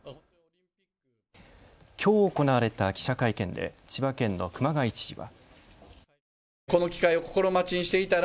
きょう行われた記者会見で千葉県の熊谷知事は。